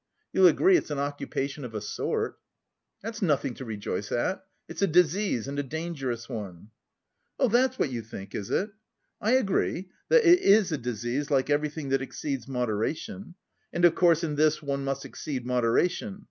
You'll agree it's an occupation of a sort." "That's nothing to rejoice at, it's a disease and a dangerous one." "Oh, that's what you think, is it! I agree, that it is a disease like everything that exceeds moderation. And, of course, in this one must exceed moderation.